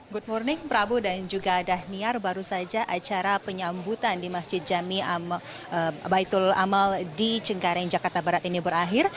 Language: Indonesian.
good morning prabu dan juga dhaniar baru saja acara penyambutan di masjid jami baitul amal di cengkareng jakarta barat ini berakhir